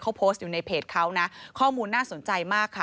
เขาโพสต์อยู่ในเพจเขานะข้อมูลน่าสนใจมากค่ะ